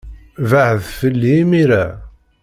Bɛed fell-i imir-a!